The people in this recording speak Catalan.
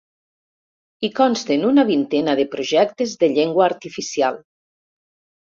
Hi consten una vintena de projectes de llengua artificial.